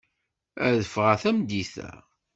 Ad ffɣeɣ tameddit-a.